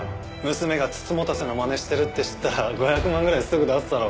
娘が美人局のまねしてるって知ったら５００万ぐらいすぐ出すだろ。